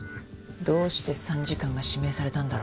どうして参事官が指名されたんだろう？